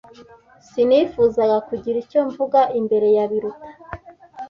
Sinifuzaga kugira icyo mvuga imbere ya Biruta.